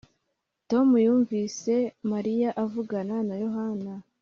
Tom yumvise Mariya avugana na Yohana